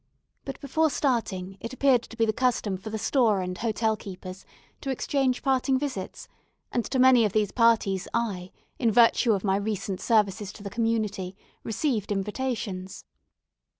But before starting, it appeared to be the custom for the store and hotel keepers to exchange parting visits, and to many of these parties I, in virtue of my recent services to the community, received invitations.